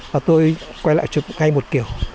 và tôi quay lại chụp ngay một kiểu